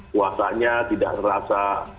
kuasanya tidak terasa